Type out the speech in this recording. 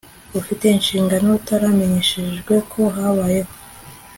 ufite inshingano utaramenyeshejwe ko habayeho